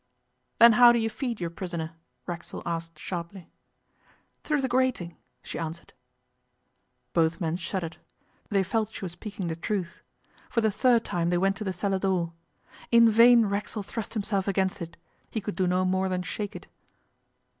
'Then how do you feed your prisoner?' Racksole asked sharply. 'Through the grating,' she answered. Both men shuddered. They felt she was speaking the truth. For the third time they went to the cellar door. In vain Racksole thrust himself against it; he could do no more than shake it.